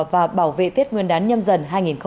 và bảo vệ thiết nguyên đán nhâm dần hai nghìn hai mươi hai